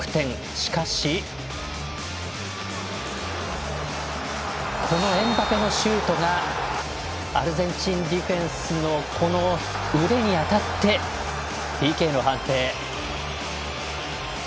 しかし、このエムバペのシュートがアルゼンチンディフェンスの腕に当たってＰＫの判定。